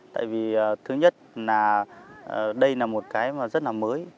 tại vì thứ nhất là đây là một cái mà rất là mới